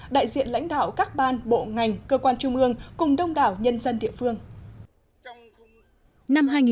đại diện lãnh đạo các ban bộ ngành cơ quan trung ương cùng đông đảo nhân dân địa phương